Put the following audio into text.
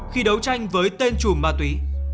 khi đấu tranh với tên chùm ma túy